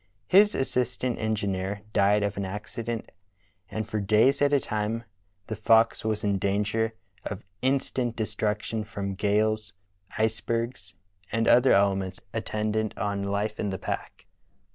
His assistant engineer died of an acci dent, and for days at a time the Fox was in danger of instant destruction from gales, icebergs, and other elements attendant on life in the pack.